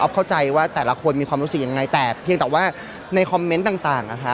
เข้าใจว่าแต่ละคนมีความรู้สึกยังไงแต่เพียงแต่ว่าในคอมเมนต์ต่างนะคะ